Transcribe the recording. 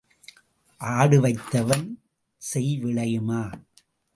ஆடு வைத்தவன் செய் விளையுமா?